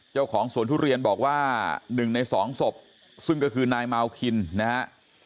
เจ้าของสวนทุเรียนบอกว่า๑ใน๒ศพซึ่งก็คือนายเมาคินนะฮะ